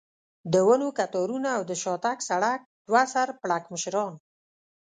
د ونو کتارونه او د شاتګ سړک، دوه سر پړکمشران.